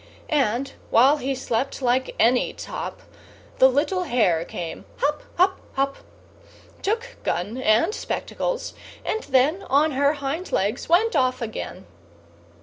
And, while he slept like any top, The little hare came, hop, hop, hop, Took gun and spectacles, and then On her hind legs went off again.